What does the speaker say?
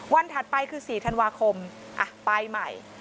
ถัดไปคือ๔ธันวาคมไปใหม่